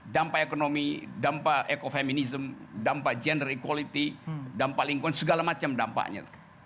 dampak ekonomi dampak ekofeminism dampak general equality dampak lingkungan segala macam dampaknya